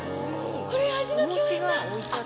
これ、味の饗宴だ。